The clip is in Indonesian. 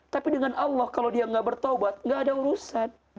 tapi dengan allah kalau dia nggak bertaubat gak ada urusan